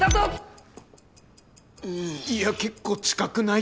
いや結構近くない？